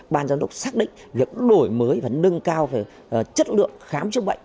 ban giám đốc xác định việc đổi mới và nâng cao về chất lượng khám chữa bệnh